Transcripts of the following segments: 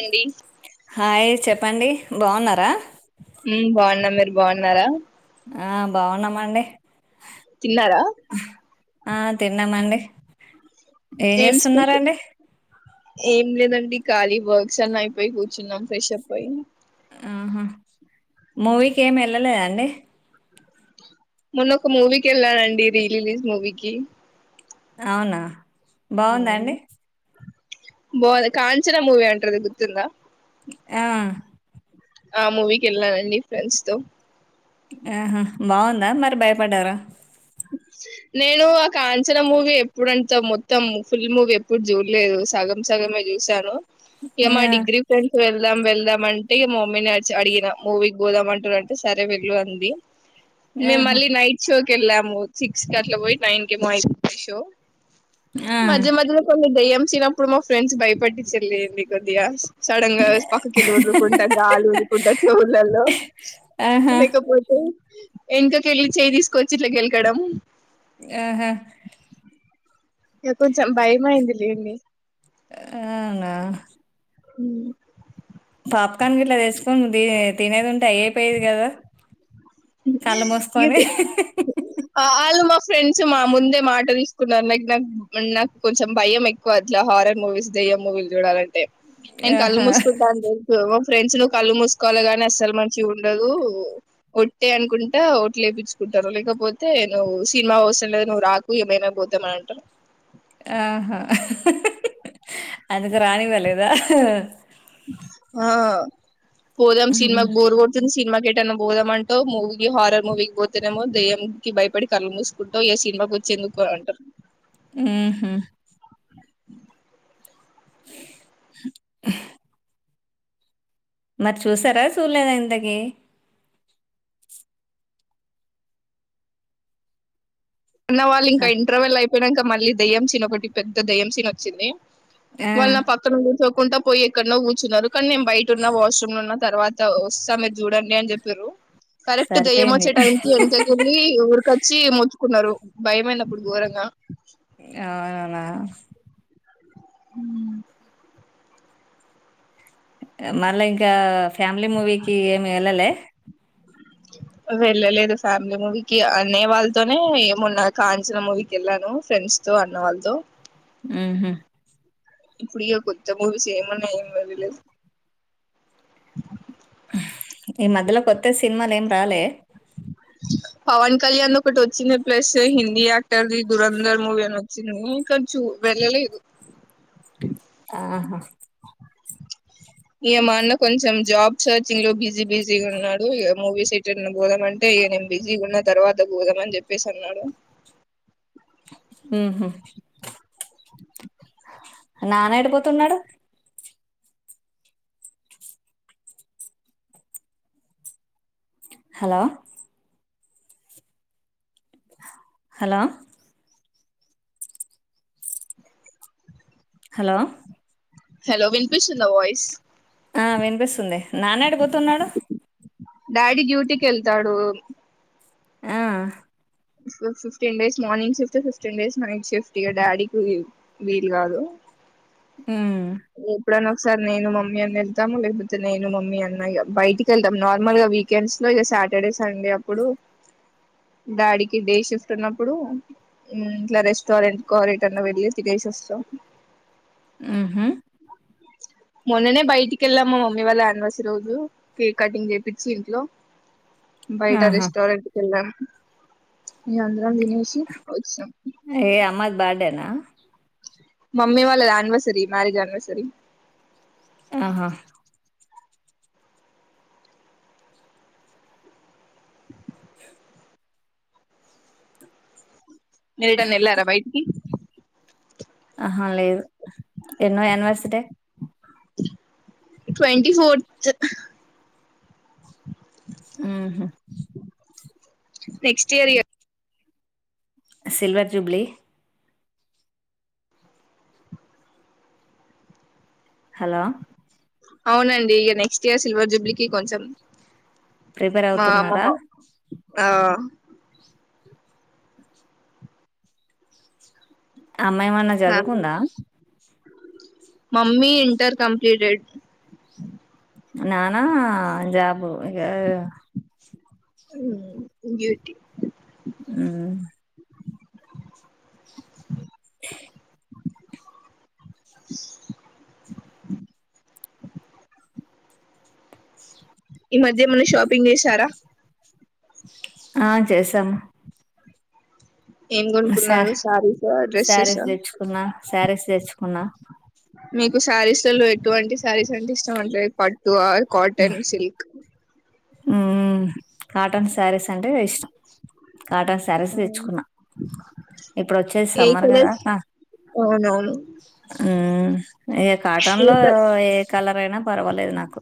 అండి హా ఏ చెప్ప చెప్పండి బాగున్నారా బాగున్న మీరు బాగున్నారా ఆ బాగున్నామండి తిన్నారా ఆ తిన్నామండి ఏం చేస్తున్నారాండి ఏం లేదండి ఖాళీ వర్క్స్ అన్న అయిపోయి కూర్చున్నాం ఫ్రెష్ అప్ అయ్యి ఆహా మూవీకి ఏమి వెళ్ళలేదాండి మొన్న ఒక మూవీకి వెళ్ళానండి రీ రిలీజ్ మూవీకిి అవునా బాగుందాండి బోలె కాంచనా మూవీ అంటది గుర్తుందా ఆ ఆ మూవీకి వెళ్ళానండి ఫ్రెండ్స్ తో ఆహా బాగుందా మరి భయపడ్డారా నేను ఆ కాంచనా మూవీ ఎప్పుడుంట మొత్తం ఫుల్ మూవీ ఎప్పుడు చూడలేదు సగం సగమే చూసాను ఇగ మా ఆ, డిగ్రీ ఫ్రెండ్స్ వెళ్దాం వెళ్దాం మంటే ఇగ మా మమ్మీ ఆర్చ్ చ అడిగిన మూవీకి పోదాం అంటారు అంటే సరే వెళ్ళు అంది మేము ఆహా, మళ్ళీ నైట్ షో కెళ్ళాం మ్మ్ ఓ సిక్స్ కి అట్ల పోయి నైన్ కేమో అయిపోయింది షో ఆ. మజ మధ్యలో కొన్ని దయ్యం చినప్పుడు మా ఫ్రెండ్స్ బయటపెట్టిచిరులు లేండి కొద్దిగా సడన్ గా చూస్ పక్కకి వెళ్ళి ఉఊరుకుంటా గాలి ఊదుకుంటా చెవులల్లో ఆహా, లేకపోతే ఎనకకెళ్ళి చెయ్యి తీసుకొచ్చిర్రు గేల్ కడం ఆహా ఇగ కొంచెం భయం అయింది లేండి అవునా హ్మ్ పాప్కార్న్ గిట్లా తెసుకొని ద తినేది ఉంటే అయిపోయేది కదా కళ్ళు మూసుకొని ఇది వాళ్ళు మా ఫ్రెండ్స్ మా ముందే మాటలుస్త కున్నారు నా నాకు నాకు కొంచెం భయం ఎక్కువ అట్లా హారర్ మూవీస్ దెయ్యం మూవీలు చూడాలంటే నేను కళ్ళు ఆహా ముసుకుంటా అని తెలుసు ఫ్రెండ్స్ ను కళ్ళు మూసుకోవాలి గాని అస్సలు మంచి ఉండదు ఒట్టే అనుకుంటే ఒట్టలేపించుకుంటారు లేకపోతే నువ్వు సినిమా వస్తలే వు నువ్వు రాకు ఏమైనా పోతాం అని అంటారు ఆహా! అందుకు రానివ్వలేదా ఆ పోదాం హ్మ్. సినిమాకి బోర్ కొడుతుంది సినిమాకి థియేటర్ పోదామంటో మూవీకి హారర్ మూవీకి పోతేనేమో దయ్యంకి భయపడి కళ్ళలు మూసుకుంటావ్ ఏ సినిమాకి వచ్చేందుకు అంటారు హ్మ్ హు మరి చూసారా చూడలేదా ఇంతకి ఉన్నవాళ్ళు స ఇంక ఇంటర్వెల్ అయి ప్పినక మళ్ళీ దయ్యం సీన్ ఒకటి పెద్ద దయ్యం సీన్ వచ్చింది ఆ! వాళ్ నా పక్కన కూసో కొంత పొయ్యి ఎక్కడన్నొ కూ వున్నారు కానీ మేము బయట ఉన్న వాష్రూమ్ లో ఉన్నా తర్వాత వస్తా మీరు చూడండి అని చెప్పిర్రు కరెక్ట్ దయ్యం సరిపోయింది. వచ్చే టైంకిి ఎంత తగిరి ఊరికొచ్చి కున్నారు భయమైనప్పుడు ఘోరంగా ఆ హ మళ్ళా ఇంకా ఫ్యామిలీ మూవీకి ఏమి వెళ్ళలే వెళ్ళలేదు ఫ్యామిలీ మూవీకి అనే వాళ్ళతోనే ఏమున్నా కాంచిన మూవీకి వెళ్ళాను ఫ్రెండ్స్ తో అన్న వాళ్ళతో ఊహూ ఇప్పుడ ఓ కొత్త మూవీసేమన్నాయొ తెలీదు ఈ మధ్యలో కొత్త సినిమాలు ఏం రాలే పవన్ కళ్యాణ్ ఒకటి వచ్చింది ప్లస్ హిందీ యాక్టర్ది దురంధర్ మూవీ అని వచ్చింది ఇ కొంచ చూ వెళ్ళలేదు ఆహా ఇగ మా అన్న కొంచెం జాబ్ సర్చింగ్ లో బిజీ బిజీ ఉన్నాడు ఇగ మూవీస్ బోదామ అంటే ఈ నం బిజీ ఉన్న తర్వాత బోదామ అని చెప్పేసి అన్నాడు ఊహూ నానా ఎడిపోతున్నాడు హలో హలో హలో హలో వినిపిస్తుందా వాయిస్ ఆ వినిపిస్తుంది నాన్నాడ పోతున్నాడు డాడీ డ్యూటీకి యెళ్తాడు ఆ fifteen days morning shift fifteen days night shift ఇగ డాడీకి వీలు గాదు హ్మ్. ఎప్పుడ ఒకసారి నేను మమ్మీ అన్న వెళ్తాము లేకపోతే నేను మమ్మీ అన్న బయటికి వెళ్తాం నార్మల్ గా వీకెండ్స్ లో ఇక సాటర్డే సండే అప్పుడు డాడీకి డే షిఫ్ట్ ఉన్నప్పుడు ఇట్లా రెస్టారెంట్ కో రిటన్ వెళ్ళి తినేసి వస్తాం ఊహు మన్ననే బయిటి కెళ్ళాము మమ్మీ వాళ్ల యా రోజు కేక్ కటింగ్ చేపిచ్చి ఇంట్లో బయట ఆహా! రెస్టోరెంట్ కెల్లాం దని తినేసి వచ్చినం లా మమ్మీ వాళ్ళది యానివర్సరీ మ్యారేజ్ యానివర్సరీ ఆహా నల్డన్ ఎల్లారా బయటికి ఆహా లేదు ఎన్నో యానివర్సిడే ట్వంటి ఫోర్త్ ఊహు నెక్స్ట్ ఇయర్ ఇగ సిల్వర్ జూబ్లీ హలో అవునండి ఇగ నెక్స్ట్ ఇయర్ సిల్వర్ జూబ్లికి కొంచెం ప్రిపేర్ మా అవుతున్నారా అమ్మమ్మ ఆ అమ్మాయేమన్నా ఫ్యామిలీ జదువుకుందా మమ్మీ ఇంటర్ కంప్లీటెడ్ నాన జాబు ఇగ ఇంగెటి ఆ ఈ మధ్యేమన షాపింగ్ జేసారా ఆ చేసాము ఏం శా గొనుక్కున్నారు శారీస డ్రెస్సెస్ ఉన్నా మీకు శారీస్లలో ఎటువంటి శారీస్ అంటే ఇష్టం అంటారుయి పట్టు కాటన్ సిల్క్ ఉ కాటన్ సారీస్ అంటే ఇష్టం కాటన్ శారీస్ దెచ్చుకున్నా ఇప్పుడు వచ్చేది ఏ సమ్మర్ కదా కలర్స్ అవునవును ఇక కాటన్ ఏ లో కల్ ఏ కలర్ అయినా పర్వాలేదు నాకు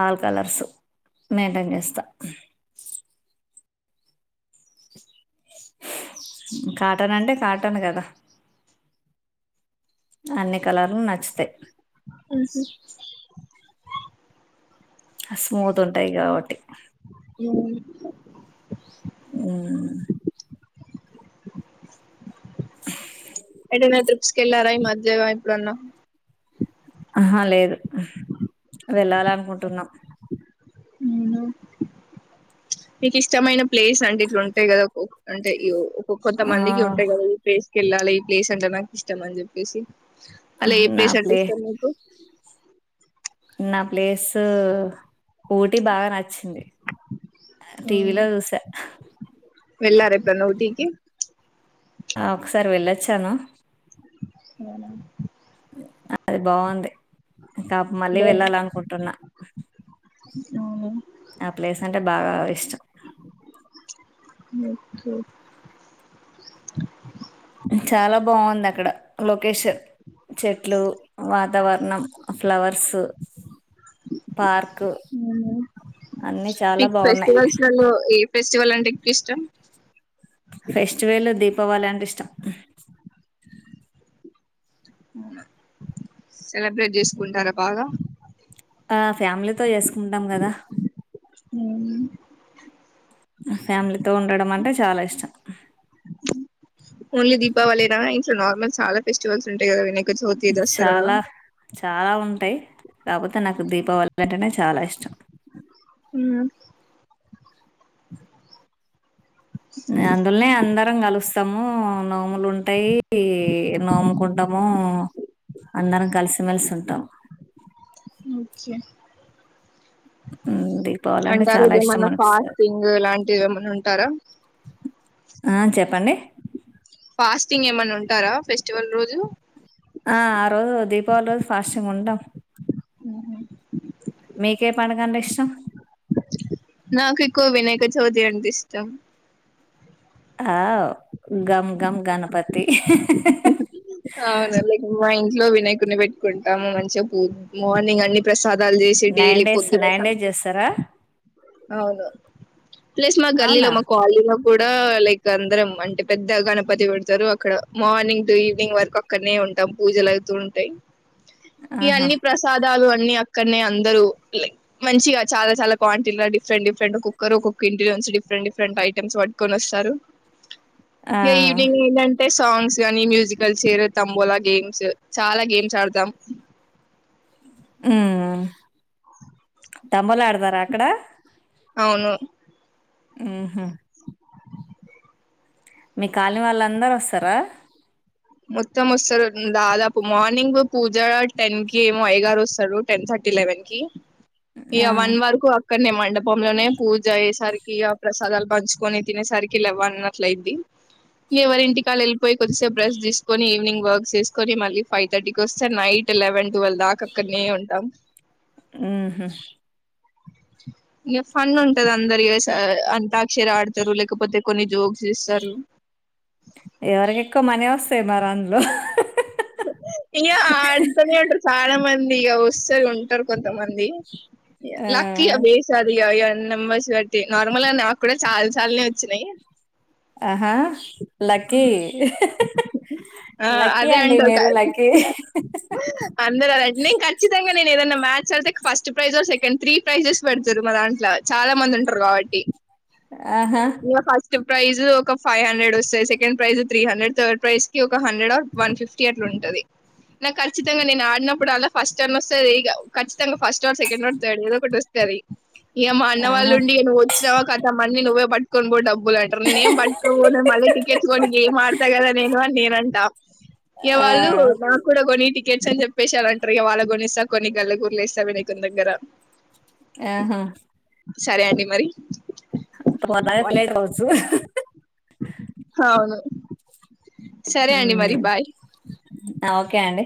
ఆల్ కలర్స్ మెయింటైన్ జేస్తా కాటన్ అంటే కాటన్ కదా అన్ని కలర్లు నచ్చతే మహు స్మూత్ ఉంటాయి కాబట్టి మ్ ఆ ఎంట నాత్ర ల్లారయ మధ్యం ఇప్పుడన్నా ఆహా లేదు వెళ్ళాల అనుకుంటున్నాం మీకు ఇష్టమైన ప్లేస్ అంటే ఇట్లా ఉంటాయి కదా అంటే ఇ కొంత ఆ మందికి ఉంటాయి కదా ఈ పేస్ట్ యెల్ళాలి ఈ ప్లేస్ అంటే నాకిష్టమని జెప్పేసి అలా ఏ నా ప్లేస్ అంటే ప్లే ఇష్టం మీకు నా ప్లేస్ ఊటీ బాగా నచ్చింది టీవీలో జూసా వెళ్ళార ఎప్పున్నా ఊటీికి ఆ ఒకసారి వెళ్ళొచ్చాను అవు అది బాగుంది కాపు మళ్ళీ బావుం వెళ్ళాల అనుకుంటున్నా అవునా ఆ ప్లేస్ అంటే బాగా ఇష్టం ఓక చాలా బాగుంది అక్కడ లొకేషన్ చెట్లు వాతావరణం ఫ్లవర్స్ పార్క్ అవునా. అన్ని చాలా మీకు బాగున్నాయి ఫెస్టివల్స్ లలో ఏ ఫెస్టివల్ అంటే ఎక్కు ఇష్టం ఫెస్టివల్ దీపావళి అంటే ఇష్టం అవు సెలబ్రేట్ చేసుకుంటారా బాగా ఆ ఫ్యామిలీతో వసుకుంటాం కదా మ్ ఫ్యామిలీతో ఉండడం అంటే చాలా ఇష్టం ఓన్లీ దీపావళి నా ఇంట్లో నార్మల్ చాలా ఫెస్టివల్స్ ఉంటాయి కదా విన చాలా చాలా ఉంటాయి కాకపోతే నాకు దీపావళి అంటేనే చాలా ఇష్టం మ్ అందులోనే అందరం కలుస్ స్తాము నోములు ఉంటాయి, నోముకుంటాము అందరం కలిసిమెలిసి ఉంటాము ఓకే దీపావళి అంటే అంటారు చాలా ఇది ఇష్టం ఏమన్నా అనిపిస్తుంది ఫాస్టింగ్ ఇలాంటిది ఏమన్నా ఉంటారా ఆ చెప్పండి ఫాస్టింగ్ ఏమైన్నా ఉంటారా ఫెస్టివల్ రోజు ఆ ఆ రోజు దీపావళి రోజు ఫాస్ట్ంగ్ ఉంటాం మేకప్ పండుగంటే ఇష్టం నాకు ఎక్కువ వినయక చవతి అంటే ఇష్టం ఆవ్ గమ్ గమ్ గణపతి అవును లే మ ఇం ఇంటి లో వినాయకుడిని పెట్టుకుంటాము. మంచిగా పూ మార్నింగ్ అన్ని prasad nine days nine days చేస్తారా అవును ప్లస్ మా గల్లీలో అవునా మా కాలనిలో కూడా లైక్ అందరం అంటే పెద్ద గణపతి పెడతారు, అక్కడ మార్నింగ్ టు ఈవినింగ్ వరకు అక్కడనే ఉంటాం పూజలు అవుతూ ఉంటాయి. ఆహా ఇవన్ని ప్రసాద్ అన్ని అక్కడనే అందరూ మంచిగా చాలా చాలా క్వాంటి డిఫరెంట్ డిఫరెంట్ కుక్కరు ఒ కుక్క ఇంటిలో నుంచి డిఫరెంట్ డిఫరెంట్ ఐటమ్స్ పట్కొని వస్తారు. ఆ ఇక ఈవినింగ్ ఎందంట్ అంటే సాంగ్స్ కానీ మ్యూజికల్ చైర్ తంబోలా గేమ్స్ చాలా గేమ్స్ ఆడతాం హ్మ్ తంబోలా ఆడుతారా అక్కడ అవును హ్మ్ మీ కాలనీ వాళ్ళందరు వస్తారా మొత్తం వస్తారు దాదాపు మార్నింగ్ పూజ టెన్ కి ఏమో అయ్యగారు వస్తారు టెన్ థర్టీ లెవెన్ కి ఇగ ఆ వన్ వరకూ కొన్ని మండపం లోనే పూజ అయ్యేసరికిీ ఆ ప్రసాదాలు పంచుకొని తినేసరికి లెవన్ అట్ల అయింది. ఎవరి ఇంటికి వాళ్ళు వెళ్ళ్ పొయ్యి కొద్దిసేపు రెస్టె తీస్ ఈవినింగ్ వర్క్ చేసుకొని మళ్ళీ ఫైవ్ థర్టీకి వస్తే నైట్ లెవెన్ ట్వెల్వ్ దాకా అక్కడనే ఉంటాం మ్మ్ హ్మ్ ఇ ఫన్ నున్ [inaudible] అందరియు అంటార్ క్షరా ఆడతారు లేకపోతే కొన్ని జోక్స్ ఎస్తారు ఎవరికి ఎక్కువ మనీ వస్తాయి మరి అందులో ఇంగ ఆడుతునే ఉంటారు చాలమంది ఇగా వస్తే ఉంటారు కొంతమంది ఆ లక్ ఇయా బేసది య య నెంబర్స్ బట్టి నార్మల్గా నాకు కూడా చాలా సార్లే వచ్చినాయి ఆహా లక్కీ ఆ లక్కీ అదే అండి అంటారు క మీరు లక్కీ అందరు అదండి నేను ఖచ్చితంగా నేను ఏదన్నా మ్యాచ్ అడితే first prize second three prizes పెడతారు మా దాంట్లో చాలా మంది ఉంటారు కాబట్టి ఆహా ఇగ ఫస్ట్ ప్రైజ్ ఒక ఫైవ్ హండ్రెడ్ వస్తుంది second prize three hundred third prize కి ఒక హండ్రెడ్ ఆర్ వన్ ఫిఫ్టీ అట్లా ఉంటది నాకు ఖచ్చితంగా నేను ఆడినప్పుడు అలా ఫస్ట్ అన్ వస్తుంది ఇ ఖచ్చితంగా first or second or third ఒకటి వస్తది. ఇక మా అన్న ఆహా వాళ్ళుండి అత మణని నువ్వేపట్ కో [unintelligible] అంటారు నేను ఏం పట్టుకవోనే మళ్ళీ టికెట్ కొనికి గేమ్ ఆడుత కదా నేను అని నేన అంటా ఇగా ఆ వాళ్ళు నాకు కూడా కొనీ టికె గెమ్స్ అని చెప్పేసారు అంటారు వాళ్ళ కొనేస్తా కొన్ని గల గురలు ఇస్తా వినకు దగ్గర ఆహా సరే అండి మరి ఇప్పుడు అన్నానికి లేట్ అవచ్చు అవును సరే అండి మరి హ్మ్ బాయ్ ఓకే అండి